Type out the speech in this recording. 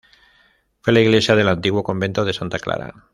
Fue la iglesia del antiguo convento de Santa Clara.